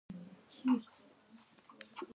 او له دوی سره دې نه وي.